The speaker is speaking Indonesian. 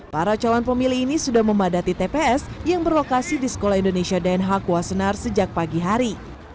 para calon pemilih ini sudah memadati tps yang berlokasi di sekolah indonesia dnh kuasenar sejak pagi hari